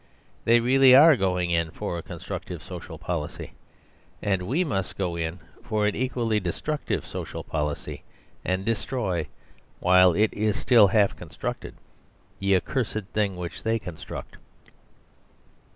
They really are going in for a constructive social policy. And we must go in for an equally destructive social policy; and destroy, while it is still half constructed, the accursed thing which they construct.